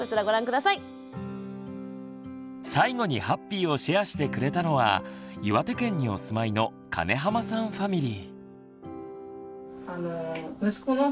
最後にハッピーをシェアしてくれたのは岩手県にお住まいの金濱さんファミリー。